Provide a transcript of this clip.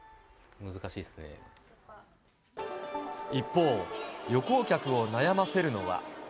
一方、旅行客を悩ませるのは。